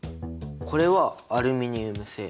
これはアルミニウム製。